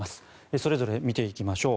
それぞれ見ていきましょう。